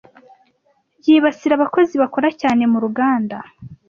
yibasira abakozi bakora cyane muruganda